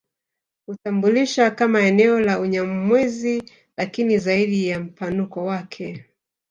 Hutambulisha kama eneo la Unyamwezi lakini zaidi ya mpanuko wake